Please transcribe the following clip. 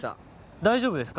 大丈夫ですか？